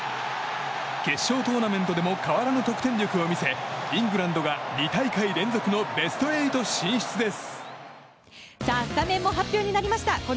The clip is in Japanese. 決勝トーナメントでも変わらぬ得点力を見せイングランドが２大会連続のベスト８進出です。